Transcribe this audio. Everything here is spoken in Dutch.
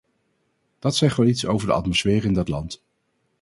Dat zegt wel iets over de atmosfeer in dat land.